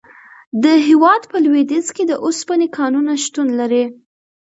د هیواد په لویدیځ کې د اوسپنې کانونه شتون لري.